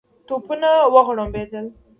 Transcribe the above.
توپونه وغړومبېدل.